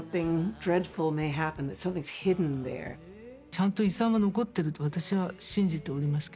ちゃんと遺産は残ってると私は信じておりますけど。